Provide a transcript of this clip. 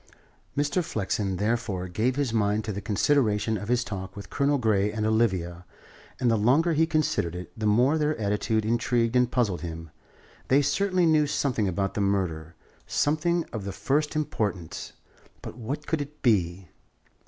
Mr. Flexen, therefore, gave his mind to the consideration of his talk with Colonel Grey and Olivia, and the longer he considered it, the more their attitude intrigued and puzzled him. They certainly knew something about the murder, something of the first importance. What could it be?